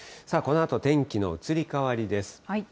このあと、天気の移り変わりです。